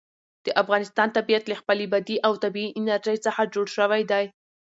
د افغانستان طبیعت له خپلې بادي او طبیعي انرژي څخه جوړ شوی دی.